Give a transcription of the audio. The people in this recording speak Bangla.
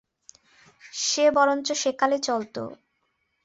সে বরঞ্চ সেকালে চলত।